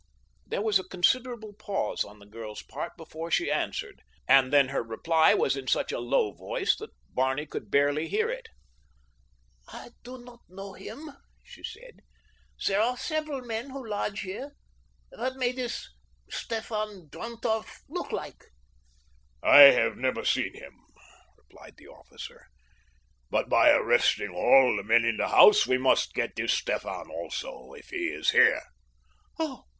There was a considerable pause on the girl's part before she answered, and then her reply was in such a low voice that Barney could barely hear it. "I do not know him," she said. "There are several men who lodge here. What may this Stefan Drontoff look like?" "I have never seen him," replied the officer; "but by arresting all the men in the house we must get this Stefan also, if he is here." "Oh!"